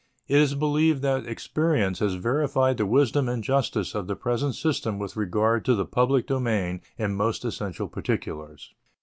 It is believed that experience has verified the wisdom and justice of the present system with regard to the public domain in most essential particulars.